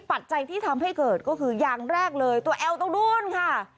ปัจจัยที่ทำให้เกิดก็คืออย่างแรกเลยตัวแอลตรงนู้นค่ะ